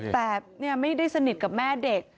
แต่ไม่ได้สนิทกับแม่เด็ก